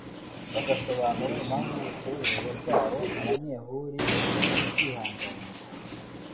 bagasobanura impamvu y’ubukerewe bwabo abanyehuri bakihanganirwa